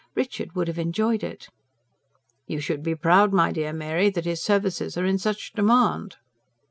Richard would have enjoyed it." "You should be proud, my dear Mary, that his services are in such demand."